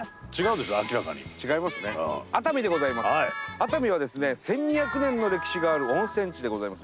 熱海はですね１，２００年の歴史がある温泉地でございます。